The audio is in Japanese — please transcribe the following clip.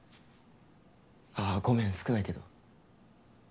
ああごめん少ないけど。